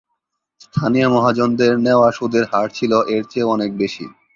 স্থানীয় মহাজনদের নেওয়া সুদের হার ছিল এর চেয়েও অনেক বেশি।